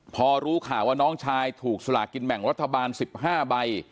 พอรู้ข่าวว่าน้องชายถูกสลากินแบ่งรัฐบาล๑๕ใบ